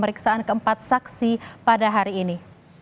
pemeriksaan keempat saksi pada hari ini